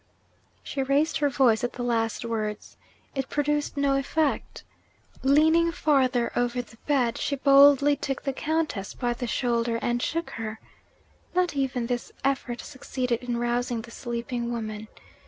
She raised her voice at the last words. It produced no effect. Leaning farther over the bed, she boldly took the Countess by the shoulder and shook her. Not even this effort succeeded in rousing the sleeping woman.